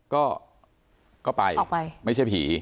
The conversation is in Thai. ก็ไปไม่ใช่ผี